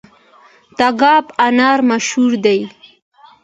تګاب انار مشهور دي؟